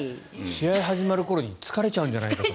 試合始まる頃に疲れちゃうんじゃないかと。